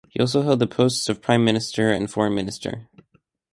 He also held the posts of prime minister and foreign minister.